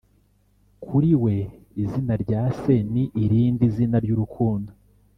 kuri we, izina rya se ni irindi zina ry'urukundo. ”